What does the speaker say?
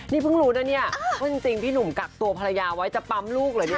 นี่เพิ่งรู้นะเนี่ยว่าจริงพี่หนุ่มกักตัวภรรยาไว้จะปั๊มลูกเหรอเนี่ย